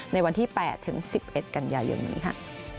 ในวันที่๘๑๑กันใหญ่อย่างนี้ค่ะ